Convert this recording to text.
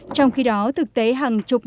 trong khi đó thực tế hàng chục năm